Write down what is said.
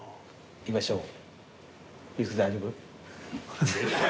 いきましょう。